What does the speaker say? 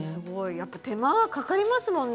やっぱり手間がかかりますよね。